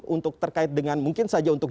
untuk terkait dengan mungkin saja untuk